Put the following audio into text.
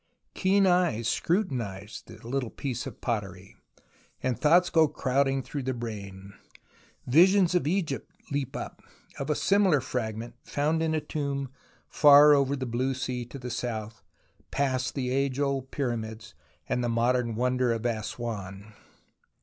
Keen eyes scrutinize the little piece of pottery, and thoughts go crowding through the brain. Visions of Egypt leap up, of a similar fragment found in a tomb far over the blue sea to the south, past the age old Pyramids and the modern wonder of Assouan.